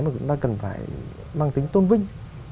mà chúng ta cần phải mang tính tôn vinh